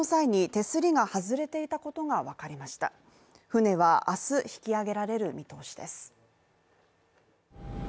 船は明日引き揚げられる見通しです。